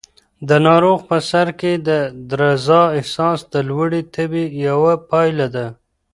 د ناروغ په سر کې د درزا احساس د لوړې تبې یوه پایله ده.